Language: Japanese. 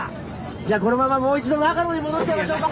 じゃあこのままもう一度長野に戻っちゃいましょうか